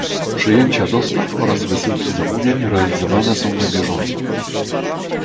Przyjęcia dostaw oraz wysyłki zamówień realizowane są na bieżąco.